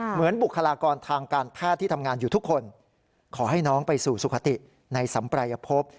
บุคลากรทางการแพทย์ที่ทำงานอยู่ทุกคนขอให้น้องไปสู่สุขติในสัมปรายภพ